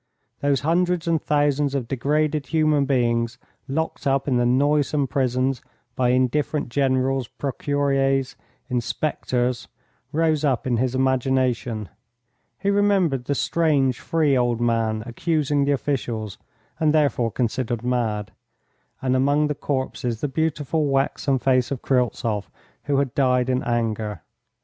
Those hundreds and thousands of degraded human beings locked up in the noisome prisons by indifferent generals, procureurs, inspectors, rose up in his imagination; he remembered the strange, free old man accusing the officials, and therefore considered mad, and among the corpses the beautiful, waxen face of Kryltzoff, who had died in anger.